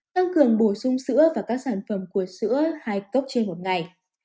tăng cường bổ sung sữa và các sản phẩm của sữa hai cốc trên một ngày